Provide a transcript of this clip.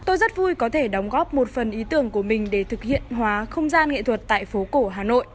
tôi rất vui có thể đóng góp một phần ý tưởng của mình để thực hiện hóa không gian nghệ thuật tại phố cổ hà nội